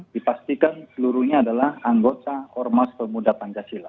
dipastikan seluruhnya adalah anggota ormas pemuda pancasila